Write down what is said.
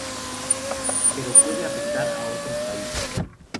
Pero puede afectar a otros países.